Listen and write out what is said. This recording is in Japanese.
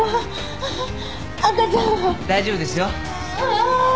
大丈夫ですよ。